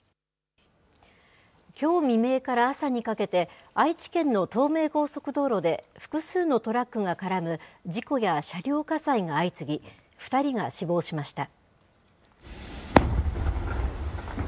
きょう未明から朝にかけて、愛知県の東名高速道路で複数のトラックが絡む事故や車両火災が相次ぎ、２人が死亡しました。